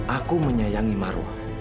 aku menyayangi marwah